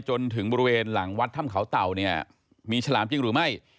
จนถึงบริเวณหลังวัดถ้ำเขาเต่าเนี่ยมีฉลามจริงหรือไม่